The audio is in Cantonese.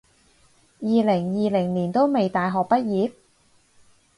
二零二零年都未大學畢業？